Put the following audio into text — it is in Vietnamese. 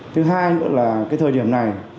thứ hai nữa là cái thời điểm này